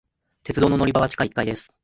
鉄道の乗り場は地下一階です。